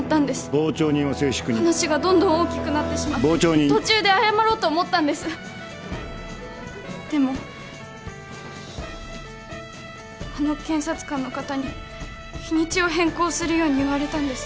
傍聴人は静粛に話がドンドン大きくなってしまって傍聴人途中で謝ろうと思ったんですでもあの検察官の方に日にちを変更するように言われたんです